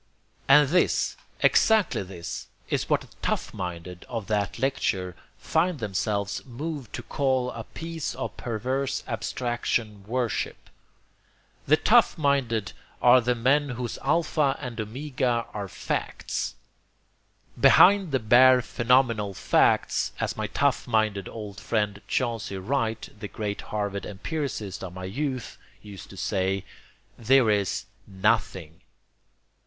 And this, exactly this, is what the tough minded of that lecture find themselves moved to call a piece of perverse abstraction worship. The tough minded are the men whose alpha and omega are FACTS. Behind the bare phenomenal facts, as my tough minded old friend Chauncey Wright, the great Harvard empiricist of my youth, used to say, there is NOTHING.